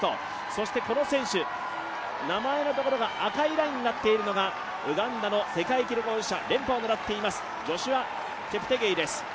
そしてこの選手、名前のところが赤いラインになっているのがウガンダの世界記録保持者、連覇を狙っていますジョシュア・チェプテゲイです。